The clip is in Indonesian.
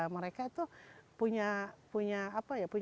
mereka itu punya program